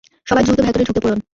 সবাই দ্রুত ভেতরে ঢুকে পড়ুন!